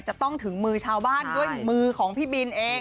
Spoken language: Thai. จะต้องถึงมือชาวบ้านด้วยมือของพี่บินเอง